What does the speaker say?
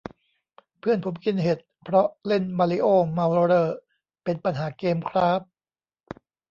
เพื่อนผมกินเห็ด เพราะเล่นมาริโอ้ เมาเร่อ เป็นปัญหาเกมคร้าบ~